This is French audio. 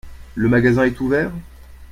Le magasin est ouvert ?